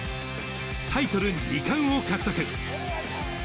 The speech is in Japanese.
タイトル２冠を獲得。